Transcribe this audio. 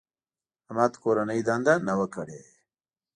احمد کورنۍ دنده نه وه کړې.